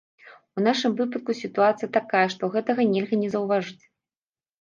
У нашым выпадку сітуацыя такая, што гэтага нельга не заўважыць.